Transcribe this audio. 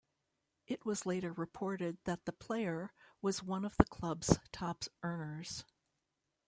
It was later reported that the player was one of the club's top earners.